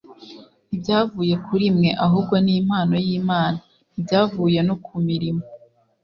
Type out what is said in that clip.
ntibyavuye kuri mwe, ahubwo ni impano y'Imana; ntibyavuye no ku mirimo,